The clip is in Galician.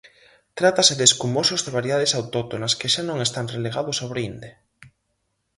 Trátase de escumosos de variedades autóctonas que xa non están relegados ao brinde.